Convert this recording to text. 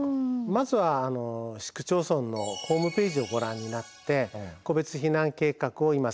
まずは市区町村のホームページをご覧になって「個別避難計画を今作成中です」とか